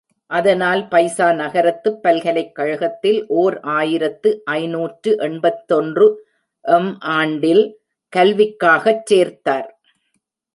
அதனால், பைசா நகரத்துப் பல்கலைக் கழகத்தில் ஓர் ஆயிரத்து ஐநூற்று எண்பத்தொன்று ம் ஆண்டில் கல்விக்காகச் சேர்த்தார்!